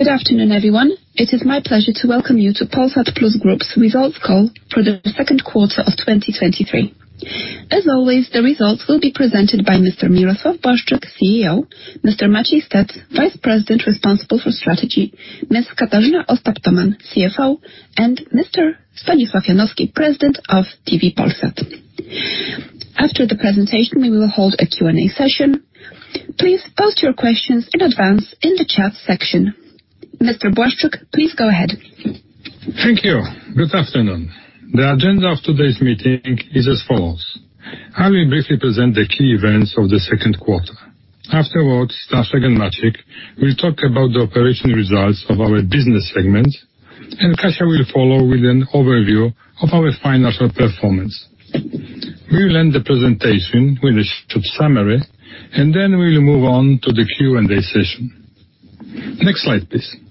Good afternoon, everyone. It is my pleasure to welcome you to Polsat Plus Group's results call for the Q2 of 2023. As always, the results will be presented by Mr. Mirosław Błaszczyk, CEO, Mr. Maciej Stec, Vice President of the Management Board, Strategy, Ms. Katarzyna Ostap-Tomann, CFO, and Mr. Stanisław Janowski, President of the Management Board, Telewizja Polsat. After the presentation, we will hold a Q&A session. Please post your questions in advance in the chat section. Mr. Błaszczyk, please go ahead. Thank you. Good afternoon. The agenda of today's meeting is as follows: I will briefly present the key events of the Q2. Afterwards, Staszek and Maciej will talk about the operational results of our business segment, and Kasia will follow with an overview of our financial performance. We will end the presentation with a short summary, and then we'll move on to the Q&A session. Next slide, please.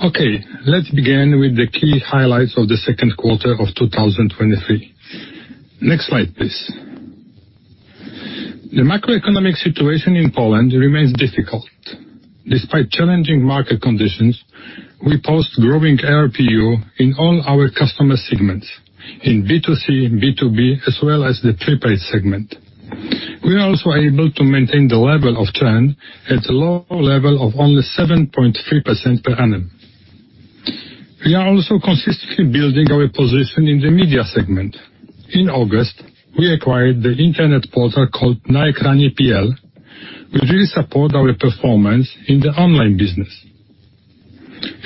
Okay, let's begin with the key highlights of the Q2 of 2023. Next slide, please. The macroeconomic situation in Poland remains difficult. Despite challenging market conditions, we post growing ARPU in all our customer segments, in B2C, B2B, as well as the prepaid segment. We are also able to maintain the level of churn at a low level of only 7.3% per annum. We are also consistently building our position in the media segment. In August, we acquired the internet portal called naEKRANIE.pl, which will support our performance in the online business.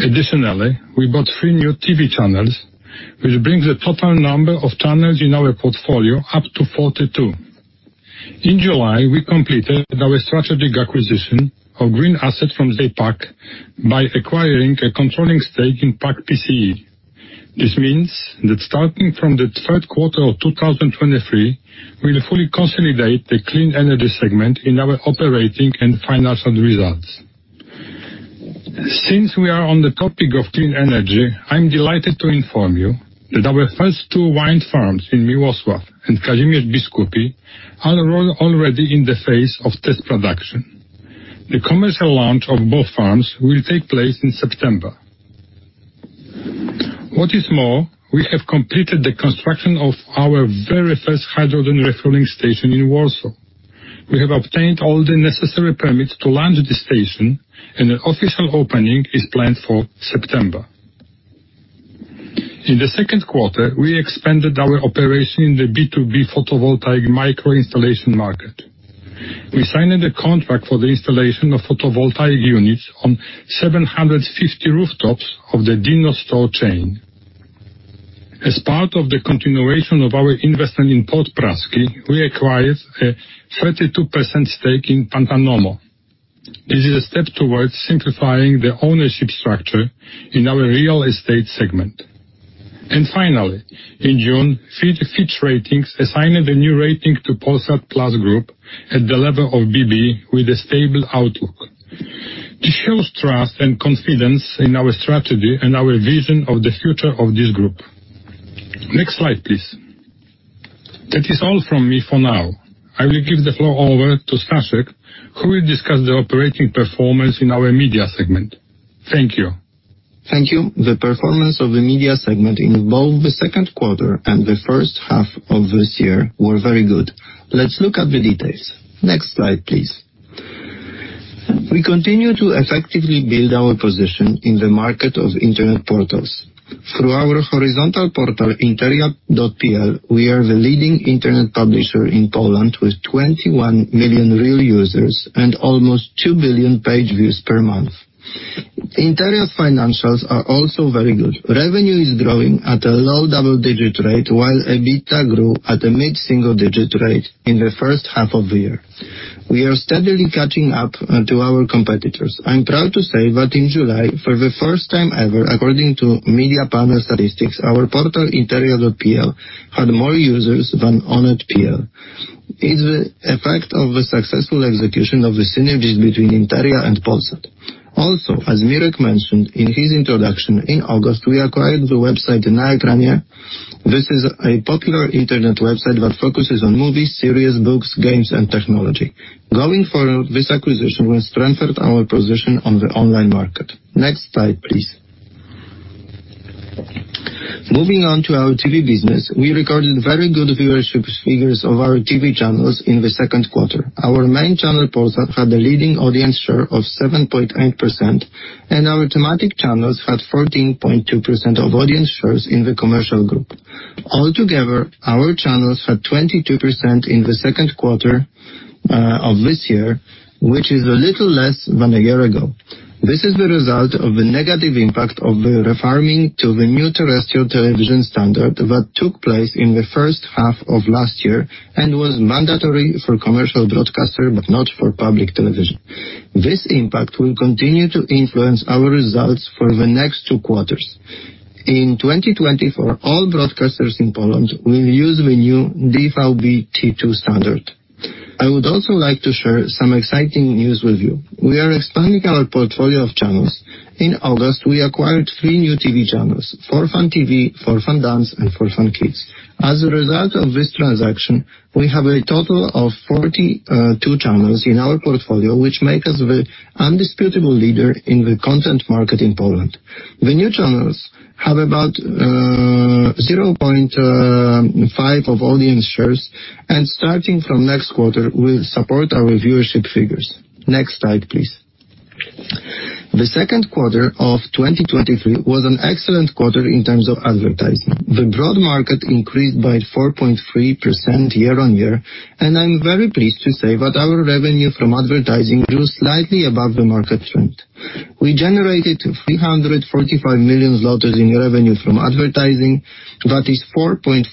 Additionally, we bought 3 new TV channels, which brings the total number of channels in our portfolio up to 42. In July, we completed our strategic acquisition of green asset from ZE PAK by acquiring a controlling stake in PAK-PCE. This means that starting from the Q3 of 2023, we'll fully consolidate the clean energy segment in our operating and financial results. Since we are on the topic of clean energy, I'm delighted to inform you that our first 2 wind farms in Miłosław and Kazimierz Biskupi are run already in the phase of test production. The commercial launch of both farms will take place in September. What is more, we have completed the construction of our very first hydrogen refueling station in Warsaw. We have obtained all the necessary permits to launch the station, and the official opening is planned for September. In the Q2, we expanded our operation in the B2B photovoltaic micro installation market. We signed the contract for the installation of photovoltaic units on 750 rooftops of the Dino Store chain. As part of the continuation of our investment in Port Praski, we acquired a 32% stake in Pantanomo. This is a step towards simplifying the ownership structure in our real estate segment. Finally, in June, Fitch, Fitch Ratings assigned a new rating to Polsat Plus Group at the level of BB with a stable outlook. This shows trust and confidence in our strategy and our vision of the future of this group. Next slide, please. That is all from me for now. I will give the floor over to Staszek, who will discuss the operating performance in our media segment. Thank you. Thank you. The performance of the media segment in both the Q2 and the first half of this year were very good. Let's look at the details. Next slide, please. We continue to effectively build our position in the market of internet portals. Through our horizontal portal, Interia.pl, we are the leading internet publisher in Poland, with 21 million real users and almost 2 billion page views per month. Interia financials are also very good. Revenue is growing at a low double-digit rate, while EBITDA grew at a mid-single digit rate in the first half of the year. We are steadily catching up to our competitors. I'm proud to say that in July, for the first time ever, according to Mediapanel statistics, our portal, Interia.pl, had more users than Onet.pl. It's the effect of the successful execution of the synergies between Interia and Polsat. As Mirek mentioned in his introduction, in August, we acquired the website naEKRANIE.pl. This is a popular internet website that focuses on movies, series, books, games, and technology. Going forward, this acquisition will strengthen our position on the online market. Next slide, please. Moving on to our TV business, we recorded very good viewership figures of our TV channels in the Q2. Our main channel, Polsat, had a leading audience share of 7.8%, and our thematic channels had 14.2% of audience shares in the commercial group. Altogether, our channels had 22% of this year, which is a little less than a year ago. This is the result of the negative impact of the refarming to the new terrestrial television standard that took place in the first half of last year and was mandatory for commercial broadcasters, but not for public television. This impact will continue to influence our results for the next 2 quarters. In 2020, for all broadcasters in Poland, we'll use the new DVB-T2 standard. I would also like to share some exciting news with you. We are expanding our portfolio of channels....In August, we acquired 3 new TV channels: 4Fun.tv, 4Fun Dance, and 4Fun Kids. As a result of this transaction, we have a total of 42 channels in our portfolio, which make us the undisputable leader in the content market in Poland. The new channels have about 0.5 of audience shares, and starting from next quarter, will support our viewership figures. Next slide, please. The Q2 of 2023 was an excellent quarter in terms of advertising. The broad market increased by 4.3% year-on-year, and I'm very pleased to say that our revenue from advertising grew slightly above the market trend. We generated 345 million zlotys in revenue from advertising. That is 4.4%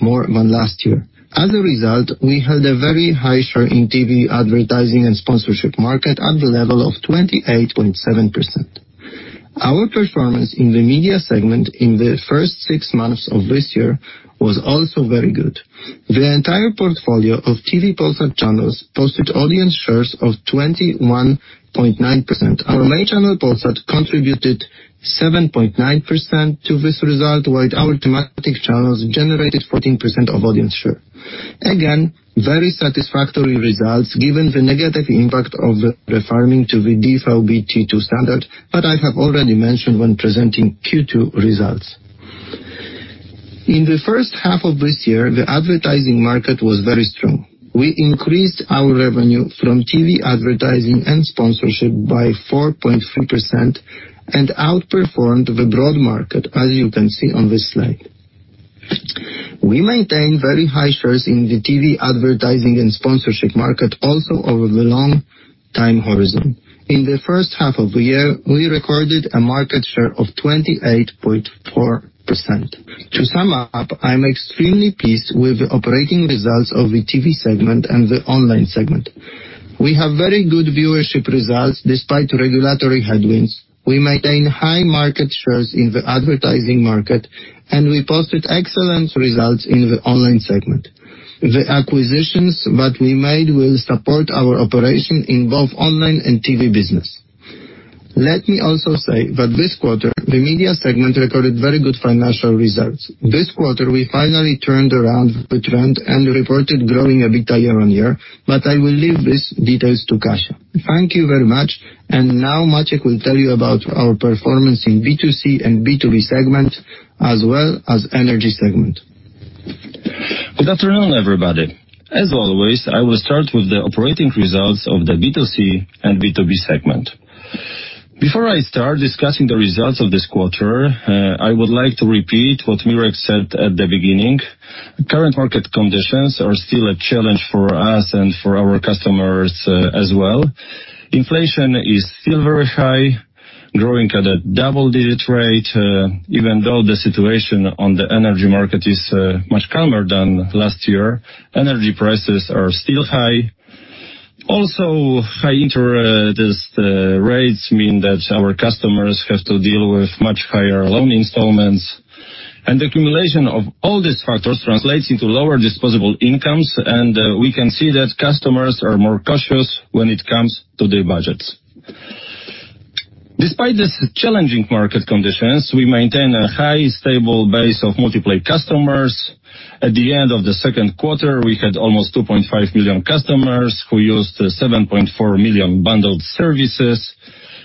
more than last year. As a result, we had a very high share in TV advertising and sponsorship market at the level of 28.7%. Our performance in the media segment in the first six months of this year was also very good. The entire portfolio of Telewizja Polsat channels posted audience shares of 21.9%. Our main channel, Polsat, contributed 7.9% to this result, while our thematic channels generated 14% of audience share. Again, very satisfactory results, given the negative impact of the refarming to the DVB-T2 standard, that I have already mentioned when presenting Q2 results. In the first half of this year, the advertising market was very strong. We increased our revenue from TV advertising and sponsorship by 4.3% and outperformed the broad market, as you can see on this slide. We maintain very high shares in the TV advertising and sponsorship market also over the long time horizon. In the first half of the year, we recorded a market share of 28.4%. To sum up, I'm extremely pleased with the operating results of the TV segment and the online segment. We have very good viewership results despite regulatory headwinds. We maintain high market shares in the advertising market, and we posted excellent results in the online segment. The acquisitions that we made will support our operation in both online and TV business. Let me also say that this quarter, the media segment recorded very good financial results. This quarter, we finally turned around the trend and reported growing EBITDA year-on-year. I will leave these details to Kasia. Thank you very much. Now, Maciej will tell you about our performance in B2C and B2B segment, as well as energy segment. Good afternoon, everybody. As always, I will start with the operating results of the B2C and B2B segment. Before I start discussing the results of this quarter, I would like to repeat what Mirek said at the beginning. Current market conditions are still a challenge for us and for our customers, as well. Inflation is still very high, growing at a double-digit rate. Even though the situation on the energy market is much calmer than last year, energy prices are still high. Also, high interest rates mean that our customers have to deal with much higher loan installments, and accumulation of all these factors translates into lower disposable incomes, and we can see that customers are more cautious when it comes to their budgets. Despite this challenging market conditions, we maintain a high, stable base of multi-play customers. At the end of the Q2, we had almost 2.5 million customers who used 7.4 million bundled services.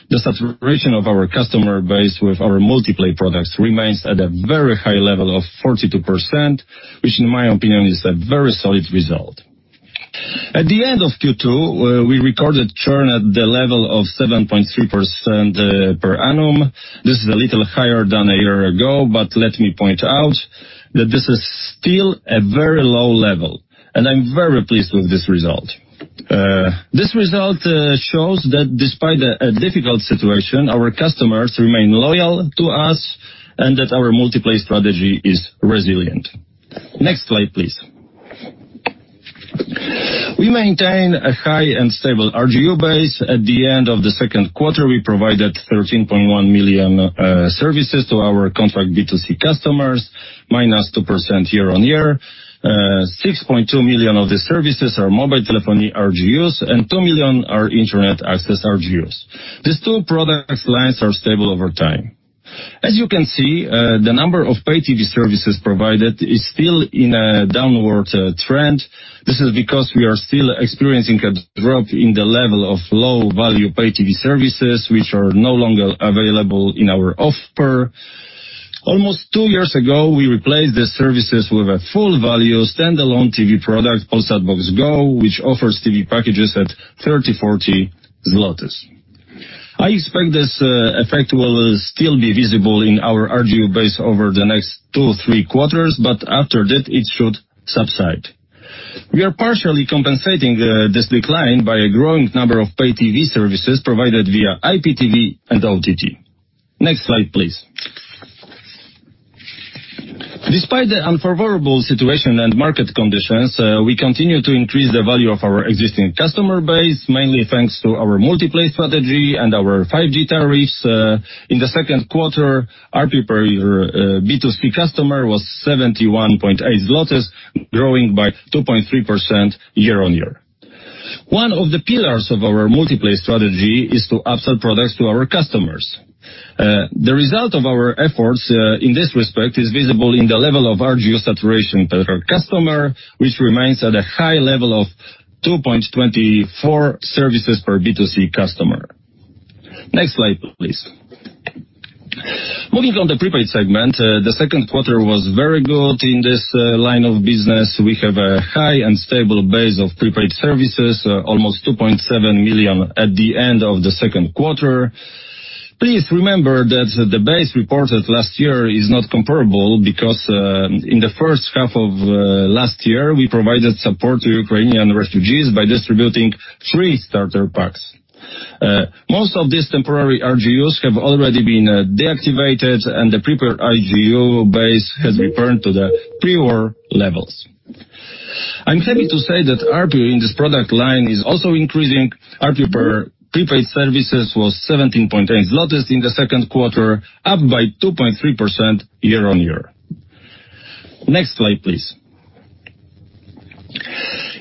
The saturation of our customer base with our multi-play products remains at a very high level of 42%, which in my opinion, is a very solid result. At the end of Q2, we recorded churn at the level of 7.3% per annum. This is a little higher than a year ago, but let me point out that this is still a very low level, and I'm very pleased with this result. This result shows that despite a difficult situation, our customers remain loyal to us and that our multi-play strategy is resilient. Next slide, please. We maintain a high and stable RGU base. At the end of the Q2, we provided 13.1 million services to our contract B2C customers, minus 2% year-on-year. 6.2 million of these services are mobile telephony RGUs, and 2 million are internet access RGUs. These two product lines are stable over time. As you can see, the number of pay TV services provided is still in a downward trend. This is because we are still experiencing a drop in the level of low-value pay-TV services, which are no longer available in our offer. Almost two years ago, we replaced the services with a full-value, standalone TV product, Polsat Box Go, which offers TV packages at 30-40 zlotys. I expect this effect will still be visible in our RGU base over the next two, three quarters, but after that, it should subside. We are partially compensating this decline by a growing number of pay-TV services provided via IPTV and OTT. Next slide, please. Despite the unfavorable situation and market conditions, we continue to increase the value of our existing customer base, mainly thanks to our multi-play strategy and our 5G tariffs. In the Q2, ARPU per B2C customer was 71.8 zlotys, growing by 2.3% year-on-year. One of the pillars of our multi-play strategy is to upsell products to our customers. The result of our efforts in this respect is visible in the level of RGU saturation per customer, which remains at a high level of 2.24 services per B2C customer. Next slide, please. Moving on the prepaid segment, the Q2 was very good in this line of business. We have a high and stable base of prepaid services, almost 2.7 million at the end of the Q2. Please remember that the base reported last year is not comparable because, in the first half of last year, we provided support to Ukrainian refugees by distributing free starter packs. Most of these temporary RGUs have already been deactivated, and the prepaid RGU base has returned to the pre-war levels. I'm happy to say that ARPU in this product line is also increasing. ARPU per prepaid services was 17.8 in the Q2, up by 2.3% year-over-year. Next slide, please.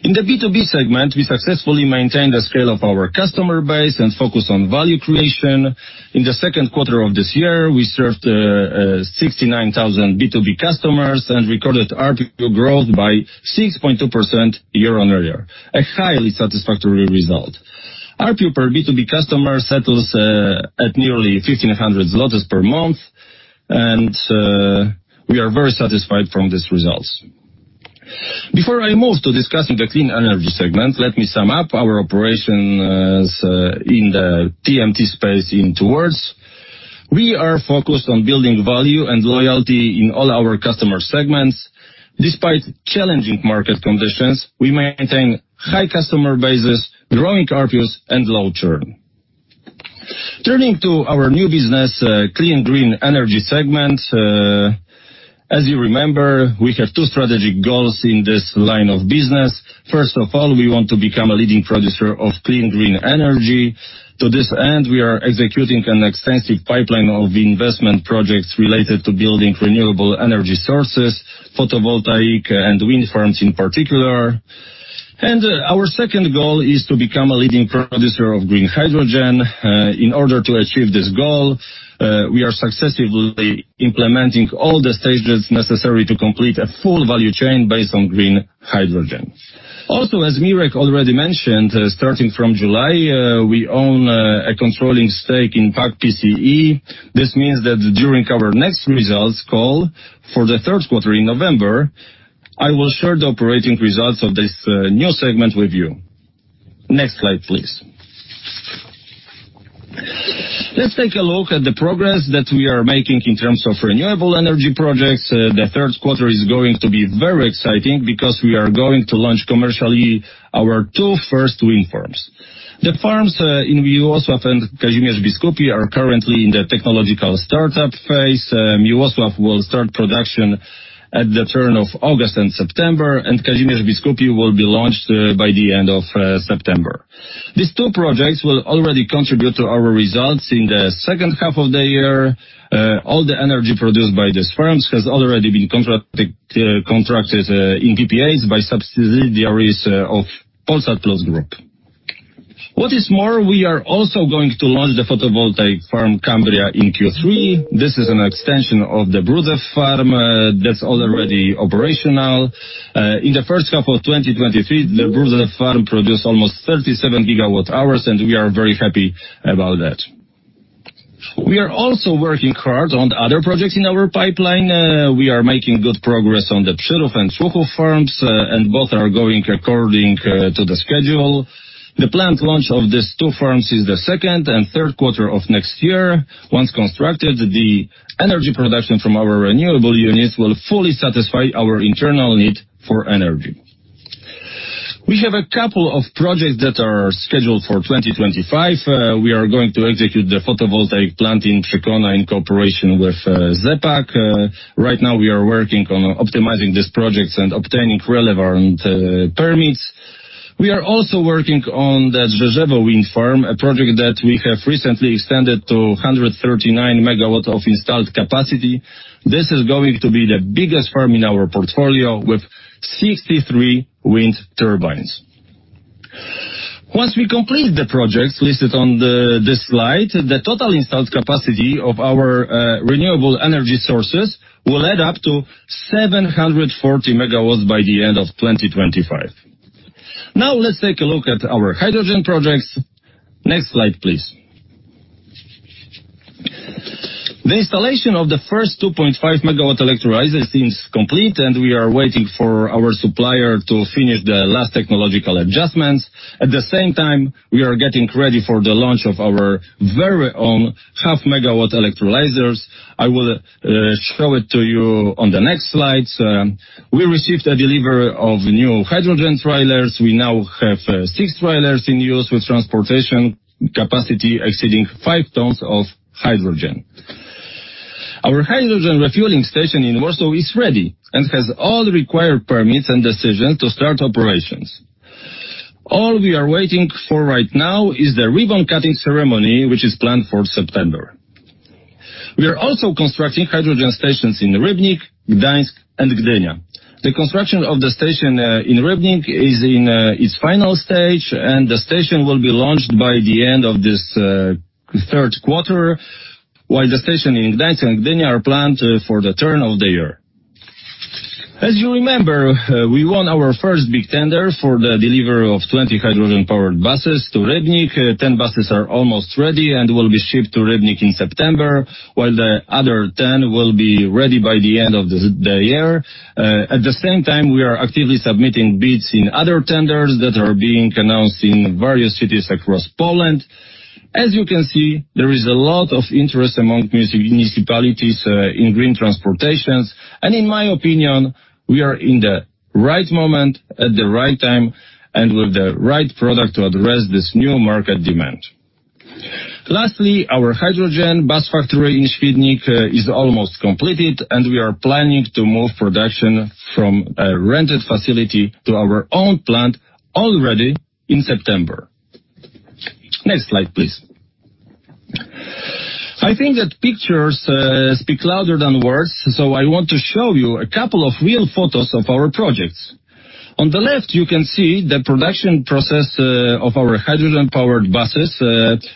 In the B2B segment, we successfully maintained the scale of our customer base and focused on value creation. In the Q2 of this year, we served 69,000 B2B customers and recorded ARPU growth by 6.2% year-on-year, a highly satisfactory result. ARPU per B2B customer settles at nearly 1,500 zlotys per month, and we are very satisfied from these results. Before I move to discussing the Clean Energy Segment, let me sum up our operations in the TMT space in two words. We are focused on building value and loyalty in all our customer segments. Despite challenging market conditions, we maintain high customer bases, growing ARPUs, and low churn. Turning to our new business, Clean Green Energy Segment, as you remember, we have two strategic goals in this line of business. First of all, we want to become a leading producer of clean green energy. To this end, we are executing an extensive pipeline of investment projects related to building renewable energy sources, photovoltaic and wind farms in particular. Our second goal is to become a leading producer of green hydrogen. In order to achieve this goal, we are successfully implementing all the stages necessary to complete a full value chain based on green hydrogen. Also, as Mirek already mentioned, starting from July, we own a controlling stake in PAK-PCE. This means that during our next results call for the Q3 in November, I will share the operating results of this new segment with you. Next slide, please. Let's take a look at the progress that we are making in terms of renewable energy projects. The Q3 is going to be very exciting because we are going to launch commercially our 2 first wind farms. The farms in Miłosław and Kazimierz Biskupi, are currently in the technological startup phase. Miłosław will start production at the turn of August and September, and Kazimierz Biskupi will be launched by the end of September. These two projects will already contribute to our results in the second half of the year. All the energy produced by these firms has already been contracted in PPAs by subsidiaries of Polsat Plus Group. What is more, we are also going to launch the photovoltaic farm, Kleczew, in Q3. This is an extension of the Brudzew farm that's already operational. In the first half of 2023, the Brudzew farm produced almost 37 GWh, and we are very happy about that. We are also working hard on other projects in our pipeline. We are making good progress on the Przyrów and Człuchów farms, and both are going according to the schedule. The planned launch of these two farms is the second and Q3 of next year. Once constructed, the energy production from our renewable units will fully satisfy our internal need for energy. We have a couple of projects that are scheduled for 2025. We are going to execute the photovoltaic plant in Przykona in cooperation with ZE PAK. Right now, we are working on optimizing these projects and obtaining relevant permits. We are also working on the Drzeżewo Wind Farm, a project that we have recently extended to 139 megawatts of installed capacity. This is going to be the biggest farm in our portfolio, with 63 wind turbines. Once we complete the projects listed on this slide, the total installed capacity of our renewable energy sources will add up to 740 MW by the end of 2025. Let's take a look at our hydrogen projects. Next slide, please. The installation of the first 2.5 MW electrolyzer seems complete, and we are waiting for our supplier to finish the last technological adjustments. At the same time, we are getting ready for the launch of our very own half MW electrolyzers. I will show it to you on the next slides. We received a delivery of new hydrogen trailers. We now have 6 trailers in use, with transportation capacity exceeding 5 tons of hydrogen. Our hydrogen refueling station in Warsaw is ready and has all the required permits and decisions to start operations. All we are waiting for right now is the ribbon-cutting ceremony, which is planned for September. We are also constructing hydrogen stations in Rybnik, Gdańsk, and Gdynia. The construction of the station in Rybnik is in its final stage, and the station will be launched by the end of this Q3, while the station in Gdańsk and Gdynia are planned for the turn of the year. As you remember, we won our first big tender for the delivery of 20 hydrogen-powered buses to Rybnik. 10 buses are almost ready and will be shipped to Rybnik in September, while the other 10 will be ready by the end of the year. At the same time, we are actively submitting bids in other tenders that are being announced in various cities across Poland. As you can see, there is a lot of interest among municipalities, in green transportations, and in my opinion, we are in the right moment, at the right time, and with the right product to address this new market demand. Lastly, our hydrogen bus factory in Świdnik is almost completed, and we are planning to move production from a rented facility to our own plant already in September. Next slide, please. I think that pictures speak louder than words, so I want to show you a couple of real photos of our projects. On the left, you can see the production process of our hydrogen-powered buses.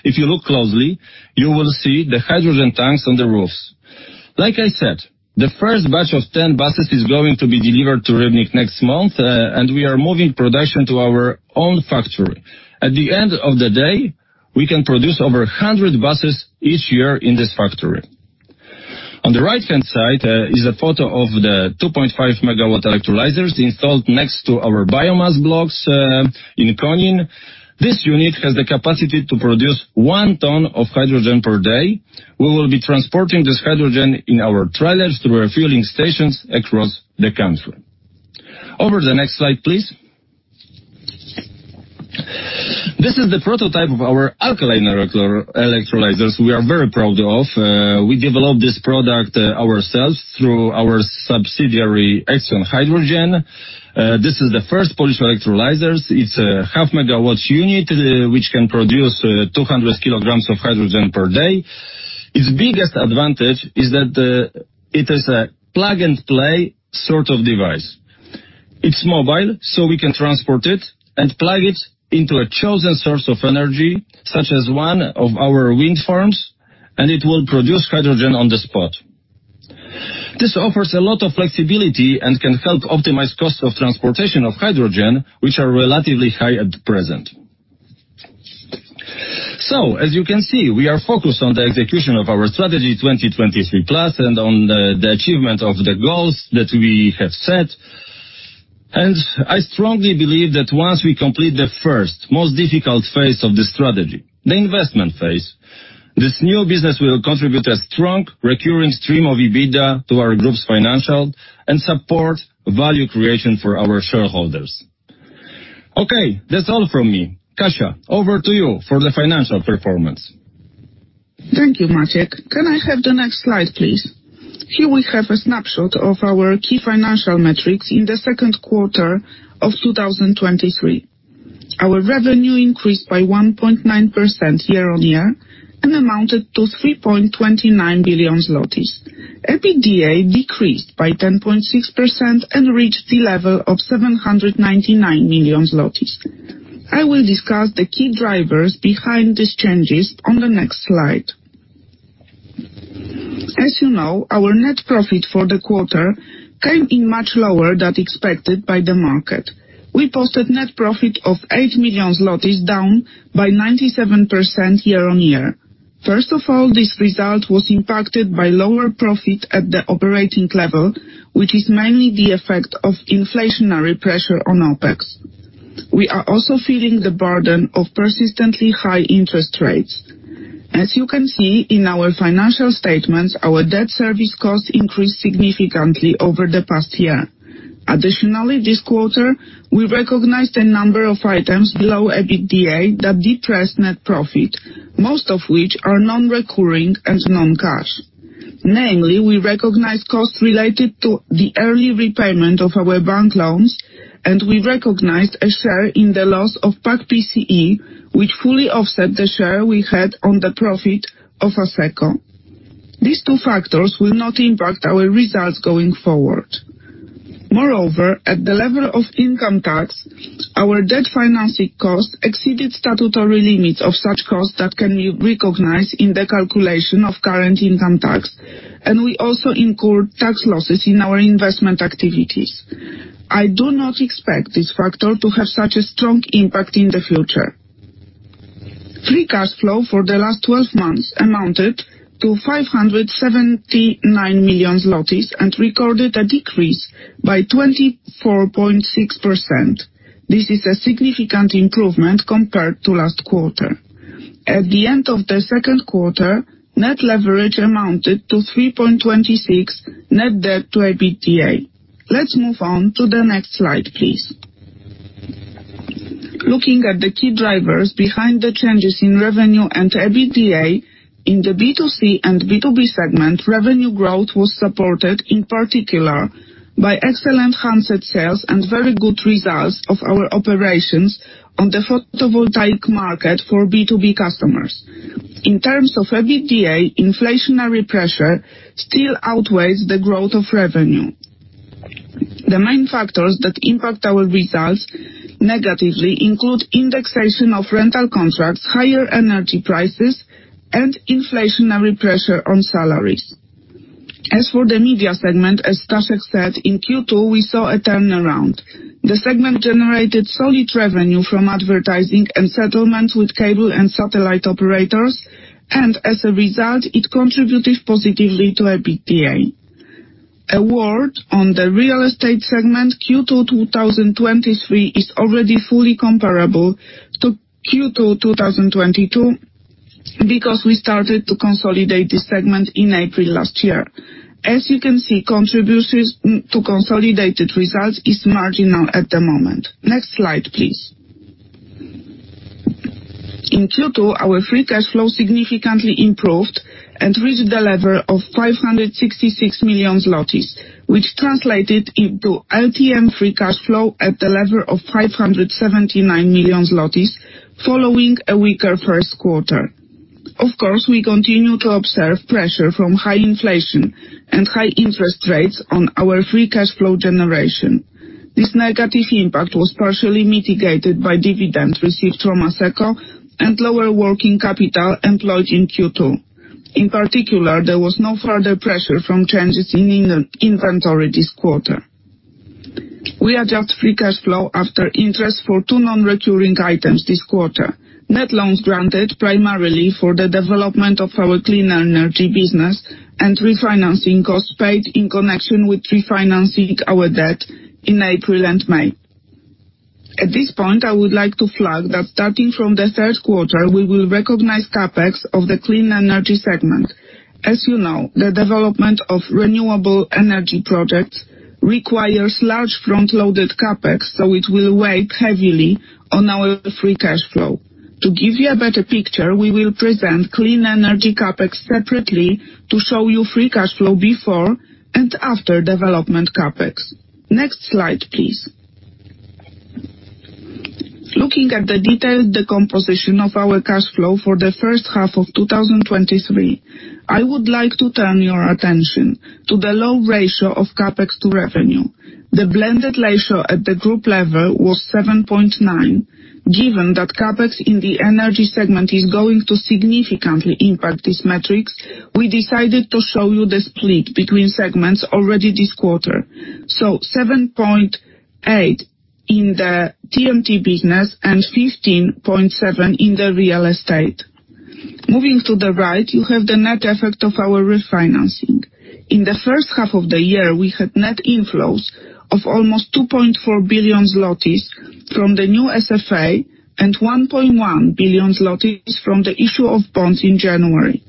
If you look closely, you will see the hydrogen tanks on the roofs. Like I said, the first batch of 10 buses is going to be delivered to Rybnik next month, and we are moving production to our own factory. At the end of the day, we can produce over 100 buses each year in this factory. On the right-hand side, is a photo of the 2.5-megawatt electrolyzers installed next to our biomass blocks, in Konin. This unit has the capacity to produce 1 ton of hydrogen per day. We will be transporting this hydrogen in our trailers to our fueling stations across the country. Over the next slide, please. This is the prototype of our alkaline electrolyzers we are very proud of. We developed this product ourselves through our subsidiary, Exion Hydrogen. This is the first Polish electrolyzers. It's a half-megawatt unit, which can produce, 200 kg of hydrogen per day. Its biggest advantage is that, it is a plug-and-play sort of device. It's mobile, so we can transport it and plug it into a chosen source of energy, such as one of our wind farms, and it will produce hydrogen on the spot. This offers a lot of flexibility and can help optimize costs of transportation of hydrogen, which are relatively high at present. As you can see, we are focused on the execution of our Strategy 2023+ and on the achievement of the goals that we have set. I strongly believe that once we complete the first, most difficult phase of the strategy, the investment phase, this new business will contribute a strong, recurring stream of EBITDA to our group's financial and support value creation for our shareholders. Okay, that's all from me. Kasia, over to you for the financial performance. Thank you, Maciej. Can I have the next slide, please? Here we have a snapshot of our key financial metrics in the Q2 of 2023. Our revenue increased by 1.9% year-on-year and amounted to 3.29 billion zlotys. EBITDA decreased by 10.6% and reached the level of 799 million zlotys. I will discuss the key drivers behind these changes on the next slide. As you know, our net profit for the quarter came in much lower than expected by the market. We posted net profit of 8 million zlotys, down by 97% year-on-year. First of all, this result was impacted by lower profit at the operating level, which is mainly the effect of inflationary pressure on OpEx. We are also feeling the burden of persistently high interest rates. As you can see in our financial statements, our debt service costs increased significantly over the past year. Additionally, this quarter, we recognized a number of items below EBITDA that depressed net profit, most of which are non-recurring and non-cash. Namely, we recognized costs related to the early repayment of our bank loans, and we recognized a share in the loss of PAK-PCE, which fully offset the share we had on the profit of Asseco. These two factors will not impact our results going forward. Moreover, at the level of income tax, our debt financing costs exceeded statutory limits of such costs that can be recognized in the calculation of current income tax, and we also incurred tax losses in our investment activities. I do not expect this factor to have such a strong impact in the future. Free cash flow for the last twelve months amounted to 579 million zlotys and recorded a decrease by 24.6%. This is a significant improvement compared to last quarter. At the end of the Q2, net leverage amounted to 3.26, net debt to EBITDA. Let's move on to the next slide, please. Looking at the key drivers behind the changes in revenue and EBITDA in the B2C and B2B segment, revenue growth was supported, in particular, by excellent handset sales and very good results of our operations on the photovoltaic market for B2B customers. In terms of EBITDA, inflationary pressure still outweighs the growth of revenue. The main factors that impact our results negatively include indexation of rental contracts, higher energy prices, and inflationary pressure on salaries. As for the media segment, as Staszek said, in Q2, we saw a turnaround. The segment generated solid revenue from advertising and settlements with cable and satellite operators, and as a result, it contributed positively to EBITDA. A word on the real estate segment, Q2 2023 is already fully comparable to Q2 2022, because we started to consolidate this segment in April last year. As you can see, contributions to consolidated results is marginal at the moment. Next slide, please. In Q2, our free cash flow significantly improved and reached the level of 566 million zlotys, which translated into LTM free cash flow at the level of 579 million zlotys, following a weaker Q1. Of course, we continue to observe pressure from high inflation and high interest rates on our free cash flow generation. This negative impact was partially mitigated by dividends received from Asseco and lower working capital employed in Q2. In particular, there was no further pressure from changes in inventory this quarter. We adjust free cash flow after interest for two non-recurring items this quarter. Net loans granted primarily for the development of our clean energy business and refinancing costs paid in connection with refinancing our debt in April and May. At this point, I would like to flag that starting from the Q3, we will recognize CapEx of the clean energy segment. As you know, the development of renewable energy projects requires large front-loaded CapEx, so it will weigh heavily on our free cash flow. To give you a better picture, we will present clean energy CapEx separately to show you free cash flow before and after development CapEx. Next slide, please. Looking at the detailed decomposition of our cash flow for the first half of 2023, I would like to turn your attention to the low ratio of CapEx to revenue. The blended ratio at the group level was 7.9. Given that CapEx in the energy segment is going to significantly impact this metric, we decided to show you the split between segments already this quarter. 7.8 in the TMT business and 15.7 in the real estate. Moving to the right, you have the net effect of our refinancing. In the first half of the year, we had net inflows of almost 2.4 billion zlotys from the new SFA and 1.1 billion zlotys from the issue of bonds in January.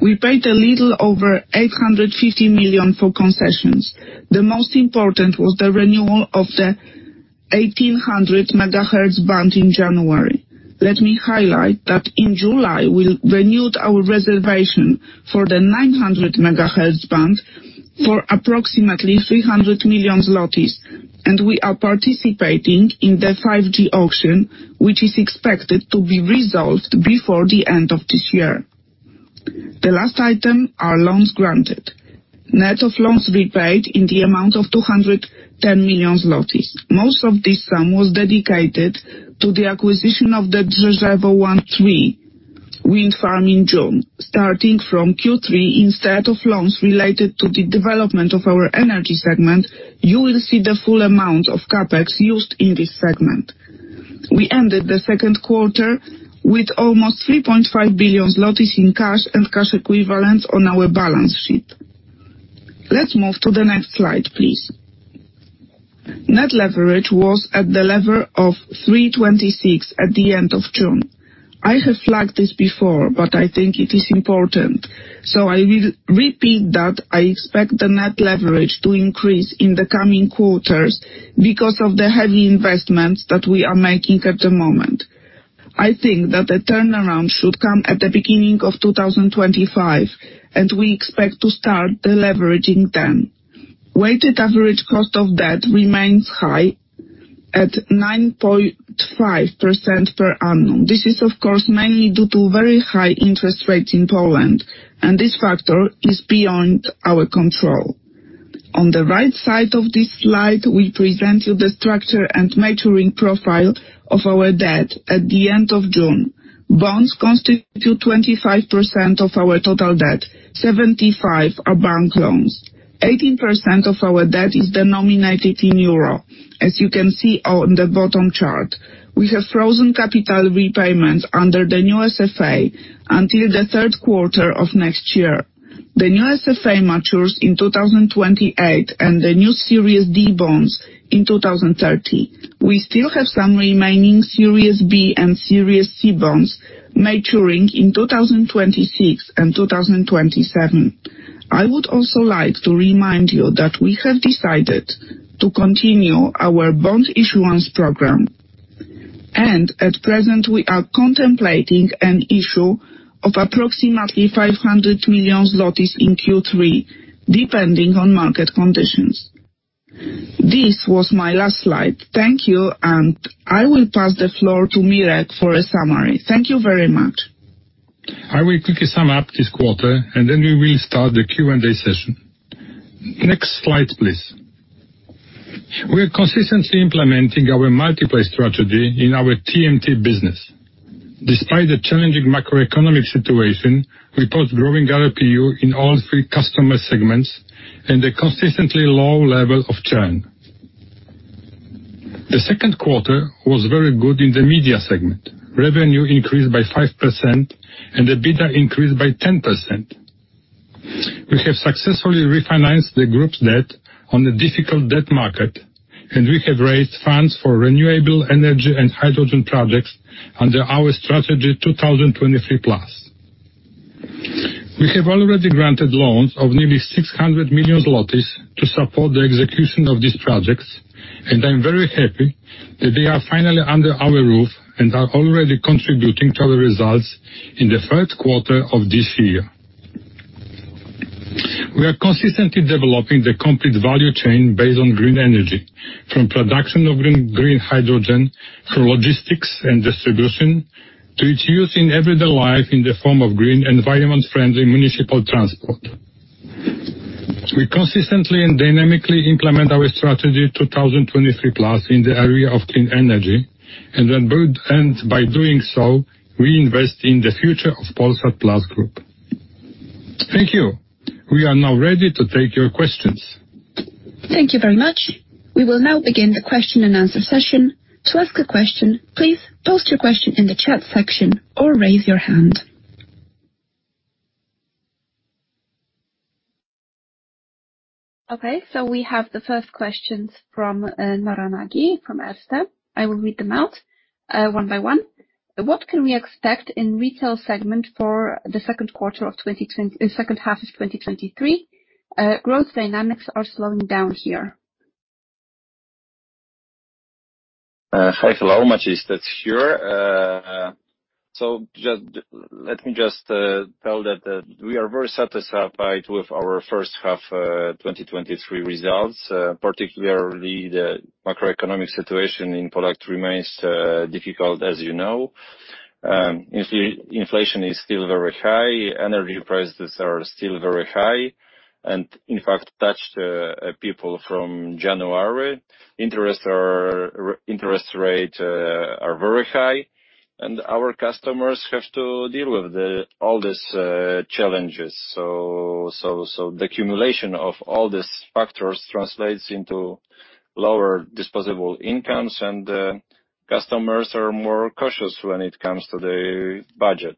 We paid a little over 850 million for concessions. The most important was the renewal of the 1,800 megahertz band in January. Let me highlight that in July, we renewed our reservation for the 900 megahertz band for approximately 300 million zlotys, and we are participating in the 5G auction, which is expected to be resolved before the end of this year. The last item, are loans granted. Net of loans repaid in the amount of 210 million zlotys. Most of this sum was dedicated to the acquisition of the Drzeżewo 13 wind farm in June. Starting from Q3, instead of loans related to the development of our energy segment, you will see the full amount of CapEx used in this segment. We ended the Q2 with almost 3.5 billion zlotys in cash and cash equivalents on our balance sheet. Let's move to the next slide, please. Net leverage was at the level of 3.26 at the end of June. I have flagged this before, but I think it is important, so I will repeat that I expect the net leverage to increase in the coming quarters because of the heavy investments that we are making at the moment. I think that the turnaround should come at the beginning of 2025, and we expect to start the leveraging then. Weighted average cost of debt remains high at 9.5% per annum. This is, of course, mainly due to very high interest rates in Poland, and this factor is beyond our control. On the right side of this slide, we present you the structure and maturing profile of our debt at the end of June. Bonds constitute 25% of our total debt. 75 are bank loans. 18% of our debt is denominated in EUR. As you can see on the bottom chart, we have frozen capital repayments under the new SFA until the Q3 of next year. The new SFA matures in 2028 and the new Series D Bonds in 2030. We still have some remaining Series B Bonds and Series C Bonds maturing in 2026 and 2027. I would also like to remind you that we have decided to continue our bond issuance program. At present, we are contemplating an issue of approximately 500 million zlotys in Q3, depending on market conditions. This was my last slide. Thank you. I will pass the floor to Mirek for a summary. Thank you very much. I will quickly sum up this quarter, and then we will start the Q&A session. Next slide, please. We are consistently implementing our multi-play strategy in our TMT business. Despite the challenging macroeconomic situation, we post growing ARPU in all three customer segments and a consistently low level of churn. The Q2 was very good in the media segment. Revenue increased by 5%, and the EBITDA increased by 10%. We have successfully refinanced the group's debt on a difficult debt market, and we have raised funds for renewable energy and hydrogen projects under our Strategy 2023+. We have already granted loans of nearly 600 million zlotys to support the execution of these projects, and I'm very happy that they are finally under our roof and are already contributing to our results in the Q3 of this year. We are consistently developing the complete value chain based on green energy, from production of green, green hydrogen, through logistics and distribution, to its use in everyday life in the form of green, environment-friendly municipal transport. We consistently and dynamically implement our Strategy 2023+ in the area of clean energy, and then and by doing so, we invest in the future of Polsat Plus Group. Thank you. We are now ready to take your questions. Thank you very much. We will now begin the question and answer session. To ask a question, please post your question in the chat section or raise your hand. We have the first questions from Nora Varga-Nagy from Erste. I will read them out one by one. What can we expect in retail segment for the Q2 of 2020- second half of 2023? Growth dynamics are slowing down here. Hi, hello, Maciej Stec here. So let me tell that we are very satisfied with our first half 2023 results, particularly the macroeconomic situation in Poland remains difficult, as you know. Inflation is still very high, energy prices are still very high, and in fact, touched people from January. Interest rate are very high, and our customers have to deal with all these challenges. The accumulation of all these factors translates into lower disposable incomes, and customers are more cautious when it comes to the budget.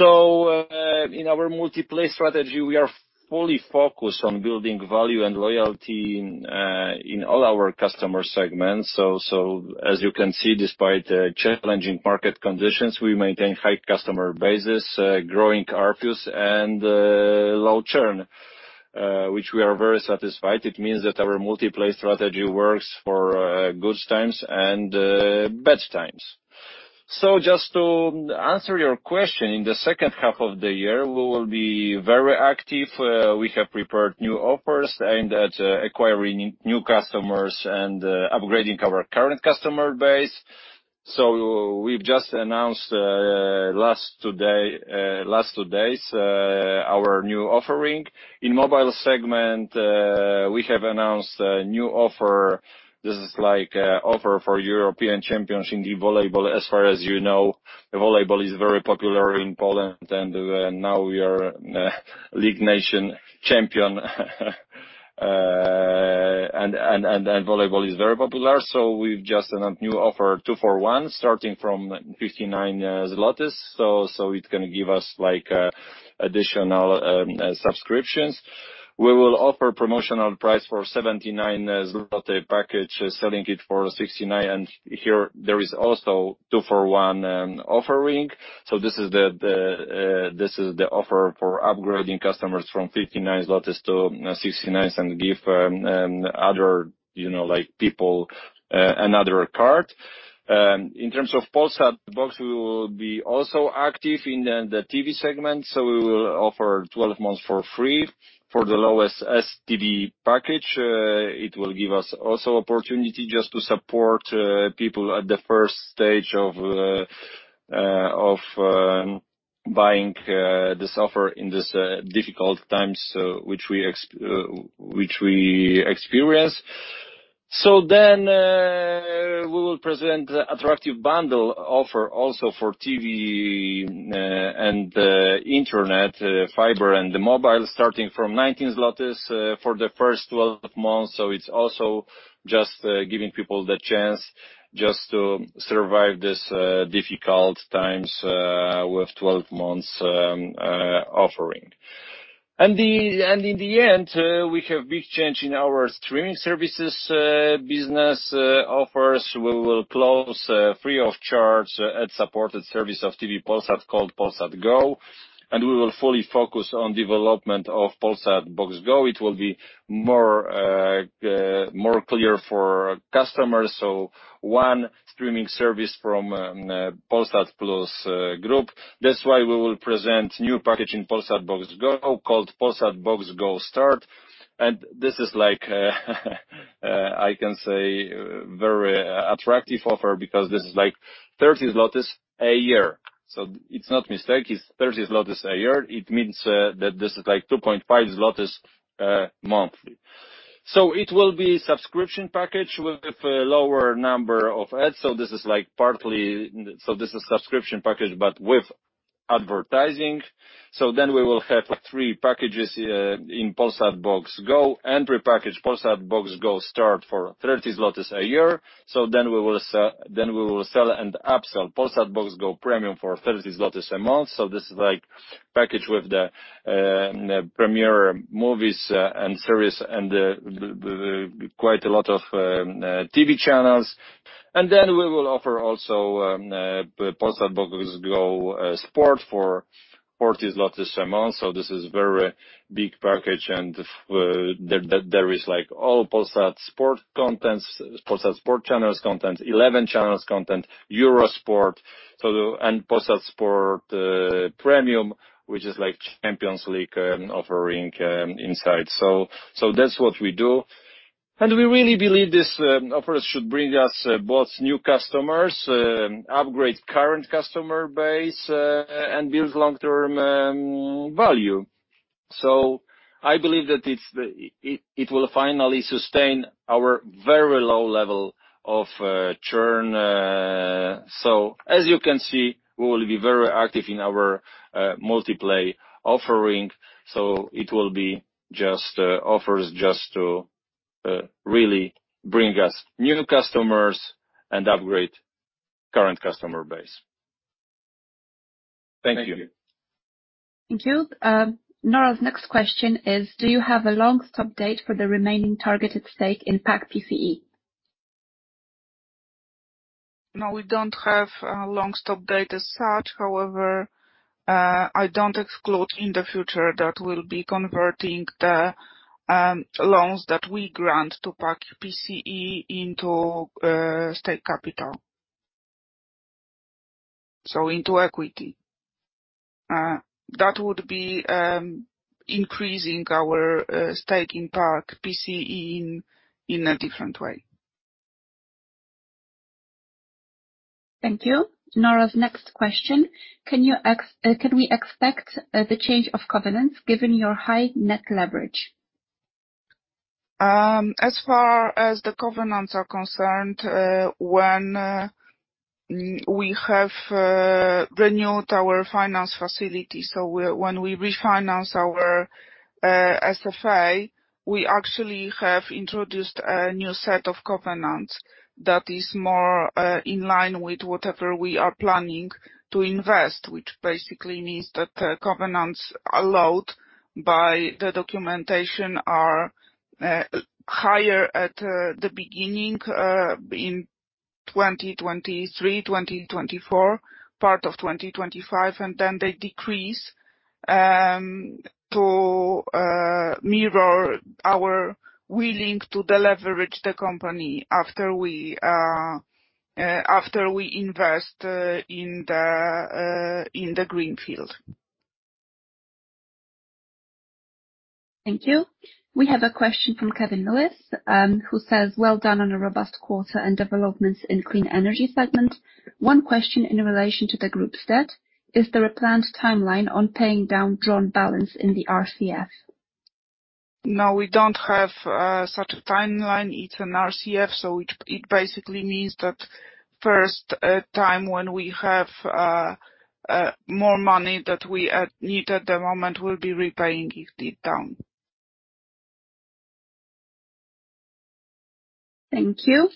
In our multi-play strategy, we are fully focused on building value and loyalty in all our customer segments. As you can see, despite the challenging market conditions, we maintain high customer bases, growing ARPUs and low churn, which we are very satisfied. It means that our multi-play strategy works for good times and bad times. Just to answer your question, in the second half of the year, we will be very active. We have prepared new offers, aimed at acquiring new customers and upgrading our current customer base. We've just announced, last today, last two days, our new offering. In mobile segment, we have announced a new offer. This is like offer for European Volleyball Championship. As far as you know, volleyball is very popular in Poland, and now we are league nation champion. volleyball is very popular, so we've just announced new offer, 2 for 1, starting from 59 zlotys. it's going to give us additional subscriptions. We will offer promotional price for 79 zloty package, selling it for 69 PLN, and here there is also 2 for 1 offering. this is the offer for upgrading customers from 59 zlotys to 69 PLN and give, you know, like, people another card. In terms of Polsat Box, we will be also active in the TV segment, so we will offer 12 months for free for the lowest S package. It will give us also opportunity just to support people at the first stage of buying this offer in this difficult times which we experience. We will present attractive bundle offer also for TV and internet fiber and the mobile starting from 19 zlotys for the first 12 months. It's also just giving people the chance just to survive this difficult times with 12 months offering. In the end, we have big change in our streaming services business offers. We will close free of charge ad-supported service of Telewizja Polsat called Polsat Go, and we will fully focus on development of Polsat Box Go. It will be more clear for customers, so one streaming service from Polsat Plus Group. That's why we will present new packaging Polsat Box Go, called Polsat Box Go Start. This is like, I can say, very attractive offer because this is like 30 zlotys a year. It's not mistake, it's 30 zlotys a year. It means that this is like 2.5 zlotys monthly. It will be subscription package with a lower number of ads. This is like subscription package, but with advertising. Then we will have three packages in Polsat Box Go. Entry package, Polsat Box Go Start for 30 zlotys a year. Then we will sell and upsell Polsat Box Go Premium for 30 zlotys a month. This is like package with the premier movies and series and quite a lot of TV channels. Then we will offer also Polsat Box Go Sport for 40 zlotys a month. This is very big package, there is like all Polsat Sport contents, Polsat Sport channels content, 11 channels content, Eurosport. Polsat Sport Premium, which is like Champions League offering inside. That's what we do. We really believe this offers should bring us both new customers, upgrade current customer base, and build long-term value. I believe that it will finally sustain our very low level of churn. As you can see, we will be very active in our multi-play offering. It will be just offers just to really bring us new customers and upgrade current customer base. Thank you. Thank you. Nora's next question is: Do you have a long stop date for the remaining targeted stake in PAK-PCE? No, we don't have a long stop date as such. However, I don't exclude in the future that we'll be converting the loans that we grant to PAK-PCE into state capital. So into equity. That would be increasing our stake in PAK-PCE in a different way. Thank you. Nora's next question: Can we expect the change of covenants given your high net leverage? As far as the covenants are concerned, when we have renewed our finance facility, so when we refinance our SFA, we actually have introduced a new set of covenants that is more in line with whatever we are planning to invest. Which basically means that the covenants allowed by the documentation are higher at the beginning in 2023, 2024, part of 2025, and then they decrease, to mirror our willing to deleverage the company after we invest in the greenfield. Thank you. We have a question from Kevin Lewis, who says: Well done on a robust quarter and developments in clean energy segment. One question in relation to the group's debt, is there a planned timeline on paying down drawn balance in the RCF? No, we don't have such a timeline. It's an RCF, so it basically means that first time when we have more money that we need at the moment, we'll be repaying it down. Thank you.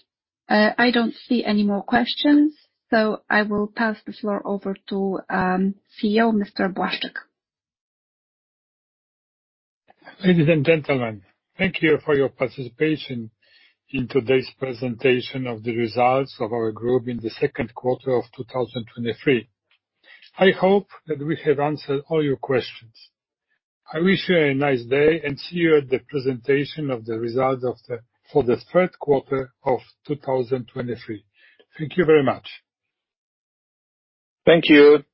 I don't see any more questions, so I will pass the floor over to CEO, Mr. Błaszczyk. Ladies and gentlemen, thank you for your participation in today's presentation of the results of our group in the Q2 of 2023. I hope that we have answered all your questions. I wish you a nice day. See you at the presentation of the results for the Q2 of 2023. Thank you very much. Thank you.